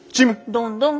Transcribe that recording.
どんどん！